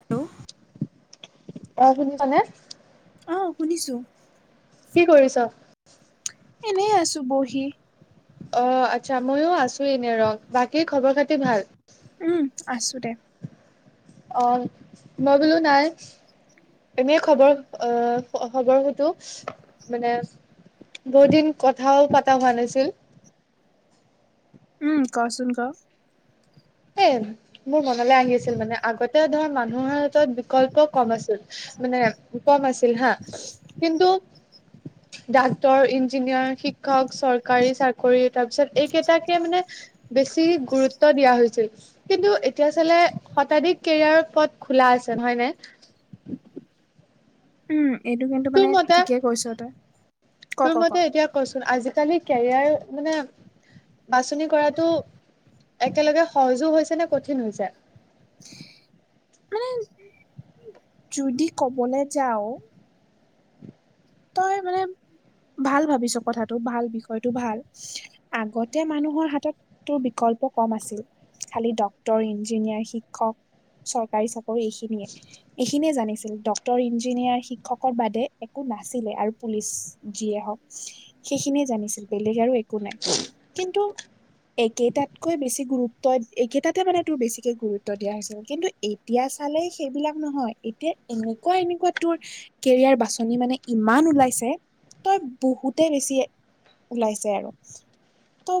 Hello. অ', শুনিছানে? আহ শুনিছোঁ। কি কৰিছা? এনেই আছোঁ বহি। অ', আচ্ছা মইো আছোঁ এনে ৰ, বাকী খবৰ খাতি ভাল? উম, আছোঁ দে। অ', মই বোলো নাই, এনেই খবৰ আহ খবৰ সতো [unintelligible] মানে বহুত দিন কথাও পতা হোৱা নাছিল। উম, কচোন ক। এ, মোৰ মনলৈ আহি আছিল মানে, আগতে ধৰ মানুহৰ হাতত বিকল্প কম আছিল। মানে দুটা ওলাছিল [unintelligible] হা কিন্তু, ডাক্তৰ, ইঞ্জিনিয়াৰ, শিক্ষক চৰকাৰী চাকৰি তাৰ পিছত এইকেইটাকে মানে, বেছি গুৰুত্ব দিয়া হৈছে কিন্তু এতিয়া চালে শতাধিক কেৰিয়াৰ পথ খোলা আছে নহয়নে? উম, এইটো কিন্তু তোৰ মানে মতে ঠিকেই কৈছ তই। ক তোৰ ক ক মতে এতিয়া কচোন, আজিকালি কেৰিয়াৰ মানে বাছনি কৰাটো একেলগে সহজো হৈছে নে, কঠিন হৈছে? মানে, যদি কবলৈ যাওঁ তই মানে ভাল ভাবিছ, কথাটো ভাল বিষয়টো ভাল, আগতে মানুহৰ হাতত তোৰ বিকল্প কম আছিল, খালি ডক্তৰ, ইঞ্জিনিয়াৰ, শিক্ষক চৰকাৰী চাকৰি এইখিনিয়ে, এইখিনিয়ে জানিছিল ডক তৰ, ইঞ্জিনিয়াৰ, শিক্ষকৰ বাদে একো নাই ছিলে আৰু পুলিচ যিয়ে হওঁক, সেইখিনিয়ে জানিছিল বেলেগ আৰু একো একো নাই, কিন্তু একেইটাতকৈ বেছি গুৰুত্ব, একেইটাতে মানে তোৰ বেছিকে গুৰুত্ব দিয়া হৈছিল, কিন্তু এতিয়া চালে সেইবিলাক নহয়, এতিয়া এনেকুৱা এনেকুৱা তোৰ কেৰিয়াৰ বাছনি মানে ইমান ওলাইছে, তই বহুতে বেছি ওলাইছে আৰু। ত'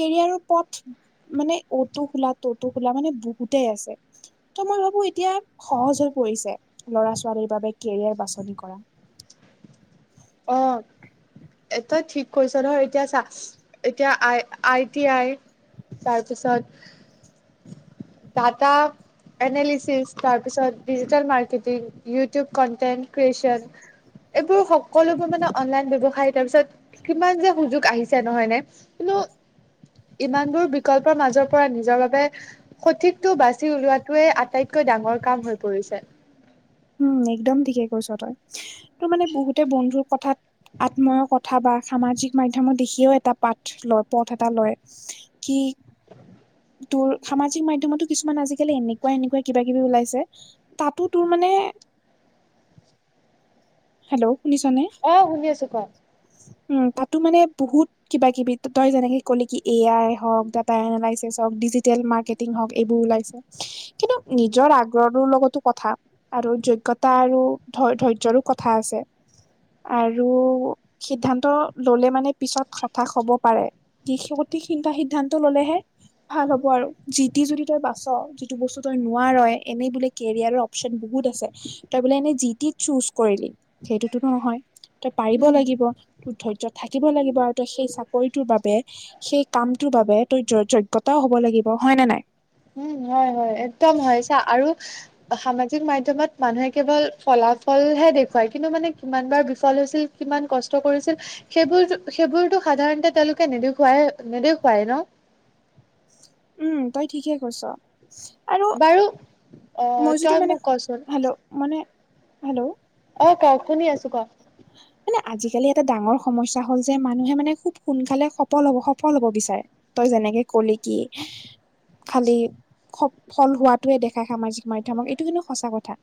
কেৰিয়াৰৰ পথ মানে অটো খোলা, তটো খোলা, মানে বহুতেই আছে। ত' মই ভাবোঁ, এতিয়া সহজ হৈ পৰিছে ল'ৰা ছোৱালীৰ বাবে কেৰিয়াৰ বাছনি কৰা। অঁ। এটাই ঠিক কৈছ নহয়, এতিয়া চা এতিয়া আই আই টি আই তাৰ পিছত, টাটা এনালিচিছ, তাৰপিছত digital marketing YouTube content, creation এইবোৰ সকলোবোৰ মানে অনলাইন ব্যৱসায়, তাৰ পিছত কিমান যে সুযোগ আহিছে নহয় নে, কিন্তু ইমান বোৰ বিকল্পৰ মাজৰ পৰা নিজৰ বাবে, সঠিকতটো বাচি উলিওৱাতোৱে আটাইত কৈ ডাঙৰ কাম হৈ পৰিছে। উম, একদম ঠিকে কৈছ তই, তোৰ মানে বহুতে বন্ধুৰ কথাত আত্ময়ৰ কথা বা সামাজিক মাধ্যমত দেখিয়ও এটা পাঠ লয়, পথ এটা লয়। কি? তোৰ সামাজিক মাধ্যমতো কিছুমান আজিকালি এনেকুৱা এনেকুৱাই কিবা কিবি ওলাইছে। তাতো তোৰ মানে। হেল্ল' শুনিছনে? অহ, শুনি আছো ক'। উম' তাতো মানে বহুত। কিবা-কিবি তই যেনেকে ক'লে কি এয়াই হওঁক, ডাটা এনালিচিচ হওঁক, ডিজিটেল মাৰ্কেটিং হওঁক, এইবোৰ ওলাইছে। কিন্তু নিজৰ আগ্ৰহটোৰ লগতো কথা। আৰু যোগ্যতা আৰু ধৈ অধৈৰ্য্যৰো কথা আছে। আৰু সিদ্ধান্ত ল'লে মানে পিছত হতাশ হ'ব পাৰে। যি সঠিক সি সিদ্ধান্ত ললেহে। ভাল হ'ব আৰু যিটি যদি তই বাচ' যিটো বস্তু তই নোৱাৰ'ই এনেই বোলে কেৰিয়াৰক। [unintelligible] বহুত আছে তই বোলে এনেই যিতি ছোচ কৰিলি সেইটোতো নহয় তই পাৰিব উম লাগিব। ধৈৰ্য থাকিব লাগিব আৰু তই সেই চাকৰিটোৰ বাবে। সেই কামটোৰ বাবে তই য যোগ্যতাও হ'ব লাগিব হয় নে নাই। উম' হয়, হয় একদম হয় চা আৰু। সামাজিক মাধ্যমত মানুহে কেৱল ফলাফলহে দেখুৱায় কিন্তু মানে কিমান বাৰ বিফল হৈছিল-। কিমান কষ্ট কৰিছিল। সেইবোৰ সেইবোৰতো সাধাৰণতে তেওঁলোকে নেদেখুৱাই নেদেখুৱাই ন'। উম' তই ঠিকেই কৈছ আৰু বাৰু অ মই তই যদি মানে, মোক কচোন হেল্ল'। মানে, হেল্ল'। অহ, কওঁক শুনি আছোঁ কওঁক। মানে আজিকালি এটা ডাঙৰ সমস্যা হ'ল যে মানুহে মানে খুব সোনকালে সফল হব সফল হ'ব বিচাৰে। তই যেনেকে কলি কি? খালি সফল হোৱাাতোৱে দেখায় সামাজিক মাধ্যমক এইটো কিন্তু সঁচা কথা। য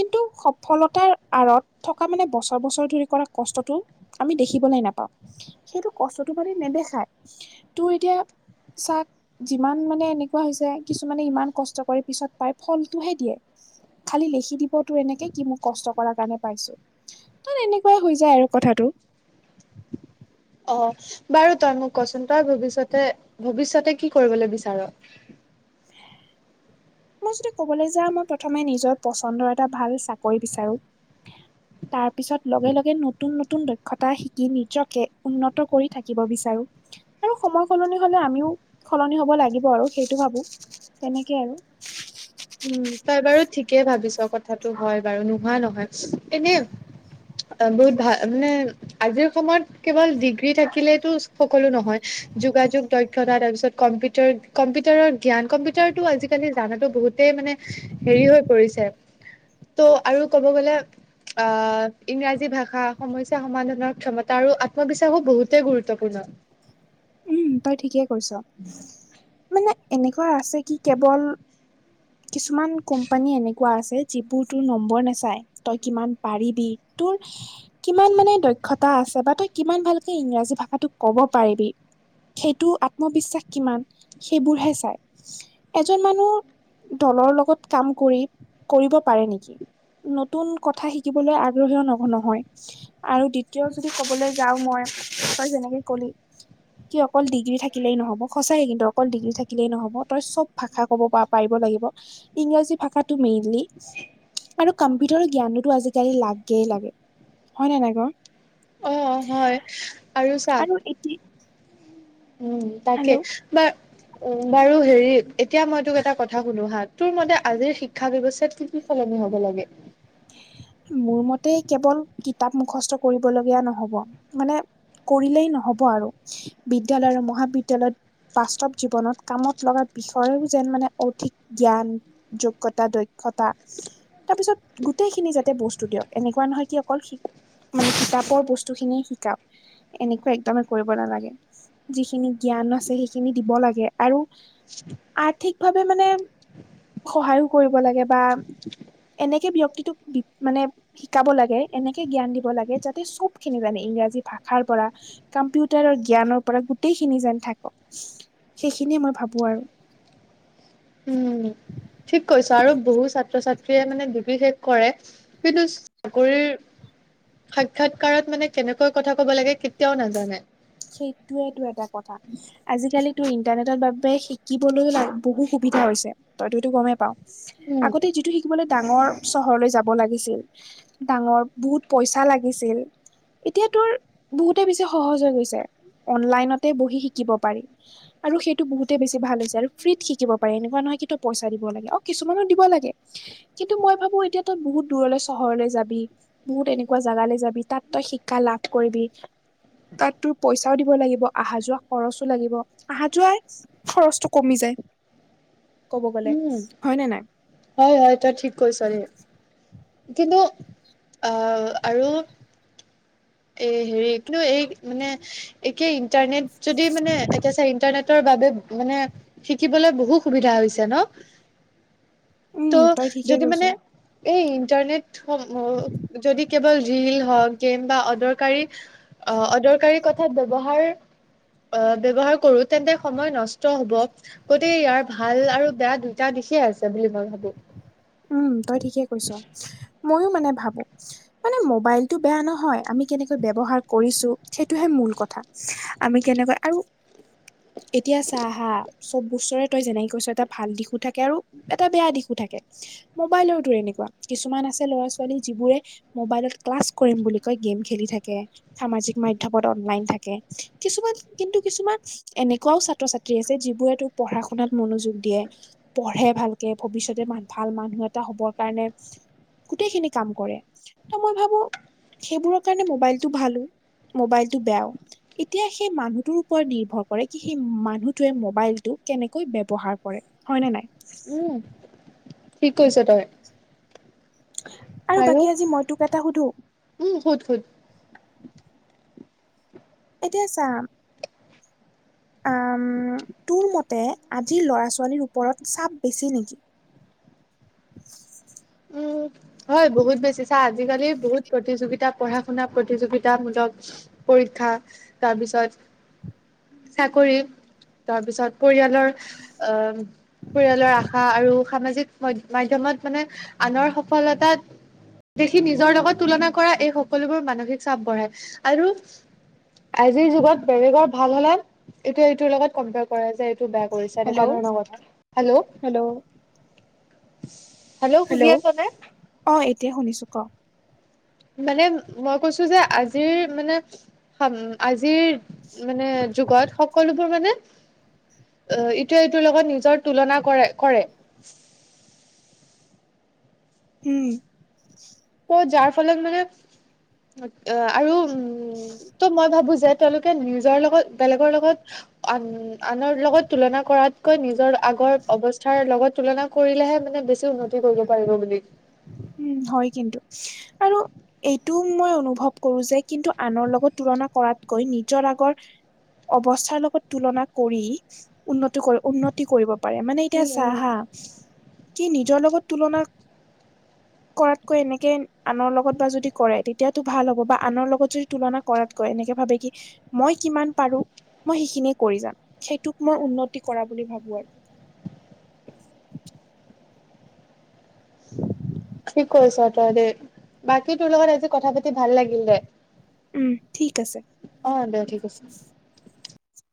কিন্তু সফলতাৰ আঁৰত থকা মানে বছৰ বছৰ ধৰি। কম কষ্টটো আমি দেখিবলৈ নাপাওঁ সেইটো কষ্টটো মানে নেদেখায়। তোৰ এতিয়া চাক। যিমান মানে এনেকুৱা হৈছে, কিছুমানে ইমান কষ্ট কৰি পিছত পাই ফলটোহে দিয়ে। খালি লিখি দিবতো এনেকে কি মোক কষ্ট কৰাৰ কাৰণে পাইছো ত এনেে। হৈ যায় আৰু কথাটো। অহ, বাৰু তই মোক কচোন তই ভৱিষ্যতে-ভৱিষ্যতে কি কৰিবলৈ বিচাৰ? [inaudible] মই যদি কবলৈ যাওঁ মই প্ৰথমে নিজৰ পচন্দৰ এটা ভাল চাকৰি বিচাৰো। উ [inaudible] তাৰপিছত লগে-লগে নতুন-নতুন দক্ষতা শিকি নিজকে উন্নত কৰি থাকিব বিচাৰোঁ। আৰু সময় সলনি হ'লে আমিও সলনি হ'ব লাগিব আৰু সেইটো ভাবোঁ। তেনেকে আৰু। উম' তই বাৰু ঠিকেই ভাবিছ কথাটো হয়। বাৰু নোহোৱা নহয় এনে অহ' বহুত ভাল মানে আজিৰ সময়ত কেৱল ডিগ্ৰী থাকিলেতো সকলো নহয় যোগাযোগ দক্ষতা তাৰপিছত কম্পিউ কম্পিটাৰৰ জ্ঞান কম্পিউটাৰটো আজিকালি জানাতো বহুত এই মানে হেৰি হৈ পৰিছে ত' আৰু ক'ব গ'লে অহ' ইংৰাজী ভাষা সমস্যা সমাধানৰ ক্ষমতা আৰু আত্মবিশ্বাসো বহুতেই গুৰুত্বপূৰ্ণ। উম' তই ঠিকে কৈছ মানে এনেকুৱা আছে কি কেৱল কিছুমান কোম্পানী এনেকে কোৱা আছে যিবোৰ তোৰ নম্বৰ নাচায় তই কিমান পাৰিবি তোৰ কিমান মানে দক্ষতা আছে বা তই কিমান ভালকে ইংৰাজী ভাষাটোক ক'ব পাৰিবি সেইটো আত্মবিশ্বাস কিমান সেইবোৰহে চাই। এজন মানুহ দলৰ লগত কাম কৰি কৰিব পাৰে নেকি? নতুন কথা শিকিবলৈ আগ্ৰহ ধৰ ন-নহয়। আৰু দ্বিতীয় যদি ক'বলৈ যাওঁ মই, তই যেনেকে কলি। কি অকল ডিগ্ৰী থাকিলেই নহ'ব। সঁচাকে কিন্তু অকল ডিগ্ৰী থাকিলেই নহ'ব, তই চব ভাষা ক'ব পা-পাৰিব লাগিব। ইংৰাজী ভাষাটো মেইনলি। আৰু কম্পিউটাৰ জ্ঞানোতো আজিকালি লাগেই লাগে হয়নে নাই ক'। অহ, হয়। আৰু এটি উম, তাকে বা উম, বাৰু হেৰি। এতিয়া মই তোক এটা কথা শুধো হা। তোৰ মতে আজিৰ শিক্ষা ব্যৱস্থাত কি কি সলনি হ'ব লাগে? মোৰ মতে কেৱল কিতাপ মুখস্থ কৰিবলগীয়া নহ'ব মানে কৰিলেই নহ'ব আৰু বিদ্যয়ালয় আৰু মহাবিদ্যালয়ত বাস্তৱ জীৱনত কামত লগা বিষয়ৰ, যেন মানে অধিক জ্ঞান। যোগ্যতা দক্ষতা তাৰপিছত গোটেইখিনি যাতে বস্তু দিয়ক, এনেকুৱা নহয় কি অকল শি মানে কিতাপৰ বস্তুখিনিয়ে শিকাওক। এনেকুৱা একদমেই কৰিব নালাগে। যিখিনি জ্ঞান আছে সেইখিনি দিব লাগে আৰু আৰ্থিক ভাৱে মানে সহায়ো কৰিব লাগে বা এনেকে ব্যক্তিটোক মানে শিকাব লাগে, এনেকে জ্ঞান দিব লাগে, যাতে চবখিনি জানে ইংৰাজী ভাষাৰ পৰা কম্পিউটাৰৰ জ্ঞানৰ পৰা গোটেইখিনি যেন থাকক, সেইখিনিয়ে মই ভাবোঁ আৰু। উম ঠিক কৈছ আৰু বহু ছাত্ৰ-ছাত্ৰীয়ে মানে ডিগ্ৰী শেষ কৰে। কিন্তু চাকৰিৰ সাক্ষাৎকাৰত মানে কেনেকৈ কথা কব লাগে, কেতিয়াও নাজানে। সেইটোৱেতো এটা কথা। আজিকালিতো ইণ্টাৰনেটৰ বাবে শিকিবলৈ, বহু সুবিধা হৈছে, তই সেইটো গমেই পাও। উম আগতে যিটো শিকিবলৈ ডাঙৰ চহৰলৈ যাব লাগিছিল। ডাঙৰ বহুত পইচা লাগিছিল, এতিয়া তোৰ বহুতে বেছি সহজ হৈ গৈছে। অনলাইনতে বহি শিকিব পাৰি। আৰু সেইটো বহুতেই বেছি ভাল হৈছে, আৰু ফ্ৰীত শিকিব পাৰে এনেকুৱা নহয় কি পইচা দিব লাগে অহ, কিছুমানোত দিব লাগে। কিন্তু মই ভাবোঁ এতিয়া তই বহুত দূৰলৈ চহৰলৈ যাবি। বহু তেনেকুৱা জাগালৈ যাবি, তাত তই শিক্ষা লাভ কৰিবি, তাত তোৰ পইচাও দিব লাগিব অহা যোৱা খৰচো লাগিব। অহা যোৱাৰ খৰচটো কমি যায়, ক'ব গলে উম হয়নে নাই? হয়, হয় তই ঠিক কৈছ দে, কিন্তু আ আৰু এই হেৰি, কিন্তু এই মানে একেই ইণ্টাৰনেট যদি মানে এতিয়া চা ইণ্টাৰনেট ইন্টাৰনেটৰ বাবে মানে শিকিবলৈ বহু সুবিধা হৈছে ন'। উম তো তই ঠিকে যদি কৈছ মানে এই ইন্টাৰনেটসমূহ যদি কেৱল ৰীল হওঁক, গেম বা অদৰকাৰী অহ, অদৰকাৰী কথাত ব্যয়ৱহাৰ অহ, ব্যয়ৱহাৰ কৰোঁ। তেন্তে সময় নষ্ট হ'ব গতিকে ইয়াৰ ভাল আৰু বেয়া দুইটা দিশে আছে বুলি মই ভাবোঁ। উম, তই ঠিকে কৈছ, মইয়ো মানে ভাবোঁ। মানে মবাইলতটো বেয়া নহয়, আমি কেনেকৈ ব্যৱহাৰ কৰিছোঁ সেইটোহে মূল কথা। আমি কেনেকৈ আৰু [unintelligible] এতিয়া চা হা চব বস্তুৰে তই যেনেকে কৈছ, এটা ভাল দিশো থাকে, আৰু এটা বেয়া দিশো থাকে। মোবাইলৰ তোৰ এনেকুৱা কিছুমান আছে ল'ৰা-ছোৱালী যিবোৰে মোবাইলত ক্লাছ কৰিম বুলি কৈ, গেম খেলি থাকে। সামাজিক মাধ্যমত অনলাইন থাকে, কিছুমান কিন্তু কিছুমান এনেকুৱাও ছাত্ৰ-ছাত্ৰী আছে, যিবোৰে তোক পঢ়া শুনাত মনোযোগ দিয়ে। পঢ়ে ভালকে। ভৱিষ্যতে ভাল মানুহ এটা হ'বৰ কাৰণে গোটেইখিনি কাম কৰে। ত' মই ভাবো সেইবোৰৰ কাৰণে মোবাইলটো ভালো। মোবাইলটো বেয়াও। এতিয়া সেই মানুহটোৰ ওপৰত নিৰ্ভৰ কৰে, কি সেই মানুহটোৱে মোবাইলটো কেনেকৈ ব্যৱহাৰ কৰে। হয় না নাই? উম। ঠিক কৈছ তই। আৰু বাকী আজি মই তোক এটা সুধো? উম। সোধ সোধ। এতিয়া চা আম, তোৰ মতে আজিৰ ল'ৰা-ছোৱালীৰ ওপৰত চাপ বেছি নেকি? উম। হয়, বহুত বেছি। চা আজিকালি বহুত প্ৰতিযোগিতা, পঢ়া-শুনা প্ৰতিযোগিতামূলক পৰীক্ষা, তাৰপিছত চাকৰি, তাৰপিছত পৰিয়ালৰ আ, পৰিয়ালৰ আশা আৰু সামাজিক মইদ মাধ্যমত মানে আনৰ সফলতাত দেখি নিজৰ লগত তুলনা কৰা এই সকলোবোৰ মানসিক চাপ বঢ়ায়। আৰু আজিৰ যুগত বেলেগৰ ভাল হ'লে এইটোএ এইটোৰ লগত কম্পয়াৰ কৰে যে এইটো বেয়া কৰিছা এনেকুৱা হেল্ল' ধৰণৰ কথা। হেল্ল'। শুনি হেল্ল'। আছ নে অ', এতিয়া শুনিছো ক'। মানে মই কৈছোঁ যে আজিৰ মানে সম আজিৰ মানে যুগত সকলোবোৰ মানে অ ইটোৱে ইটোৰ লগত নিজৰ তুলনা কৰে, কৰে। হম। ত', যাৰ ফলত মানে আ আৰু উম, ত' মই ভাবো যে তেওঁলোকে নিজৰ লগত বেলেগৰ লগত আন আনৰ লগত তুলনা কৰাতকৈ নিজৰ আগৰ অৱস্থাৰ লগত তুলনা কৰিলেহে মানে বেছি উন্নত তি কৰিব পাৰিব বুলি। উম, হয় কিন্তু আৰু এইটোও মই অনুভৱ কৰো যে কিন্তু আনৰ লগত তুলনা কৰাতকৈ নিজৰ আগৰ অৱস্থাৰ লগত তুলনা কৰি, উন্নতি কৰে উন্নত তি কৰিব পাৰে মানে এতিয়া উম চা উম। হা, কি নিজৰ লগত তুলনা কৰাতকৈ এনেকে আনৰ লগত বা যদি কৰে, তেতিয়াটো ভাল হ'ব বা আনৰ লগত যদি তুলনা কৰাতকৈ এনেকে ভাবে কি মই কিমান পাৰো মই সেইখিনিয়ে কৰি যাম। সেইটোক মই উন্নতি কৰা বুলি ভাবোঁ আৰু। [inaudible] ঠিক কৈছ' তই দে। বাকী তোৰ লগত আজি কথা পাতি ভাল লাগিল দে। উম, ঠিক আছে। অ' দে ঠিক আছে।